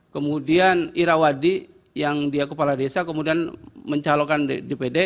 kemudian irawadi yang dia kepala desa kemudian mencalonkan dpd